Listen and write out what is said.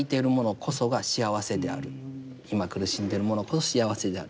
今苦しんでるものこそ幸せである。